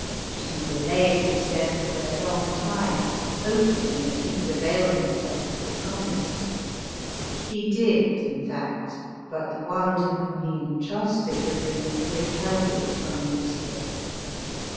She delayed his death for a long time, hoping that he would avail him ELIZABETH OF ENGLAND. 321 self of the promise. He did, in fact, but the one to whom he entrusted the ring, withheld it from Eliza beth.